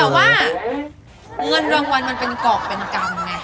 แต่ว่าเงินรางวัลมันเป็นกรอกเป็นกรรมไง